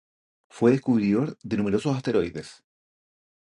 Fue descubridor de numerosos asteroides.